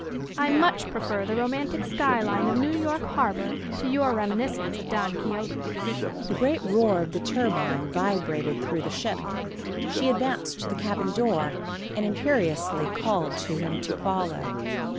I much prefer the romantic sky line of New York harbor to your reminiscence of Don Quixote!" The great roar of the turbine vibrated through the ship. She advanced to the cabin door, and imperiously called to him to follow.